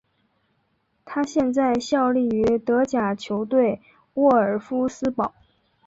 他现在效力于德甲球队沃尔夫斯堡。